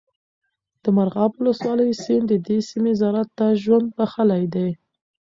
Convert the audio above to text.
د مرغاب ولسوالۍ سیند د دې سیمې زراعت ته ژوند بخښلی دی.